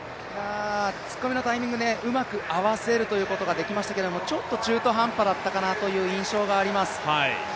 突っ込みのタイミングうまく合わせるということができましたけどちょっと中途半端だったかなという印象があります。